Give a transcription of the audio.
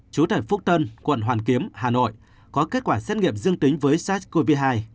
chú tại phúc tân quận hoàn kiếm hà nội có kết quả xét nghiệm dương tính với sars cov hai